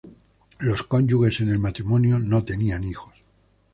Los cónyuges en el matrimonio no tenían hijos.